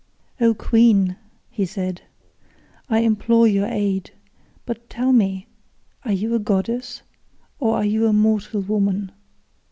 "O queen," he said, "I implore your aid—but tell me, are you a goddess or are you a mortal woman?